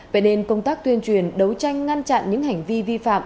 vậy nên công tác tuyên truyền đấu tranh ngăn chặn những hành vi vi phạm